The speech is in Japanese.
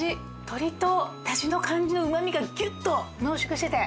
鶏とダシの感じの旨味がギュっと濃縮してて。